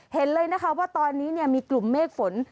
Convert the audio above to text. เห็นเลยนะคะว่าตอนนี้มีกลุ่มเมฆฝน